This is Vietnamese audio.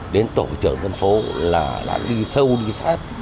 đến tổ trưởng dân phố là đi sâu đi sát